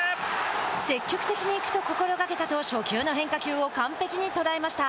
積極的に行くと心がけたと初球の変化球を完璧に捉えました。